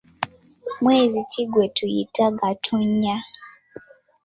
Omwezi ki gwetuyita Gatonnya?